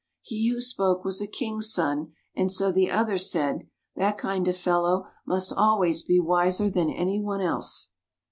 He who spoke was a king's son, and so the others said, " That kind of fellow must always be wiser than anyone else."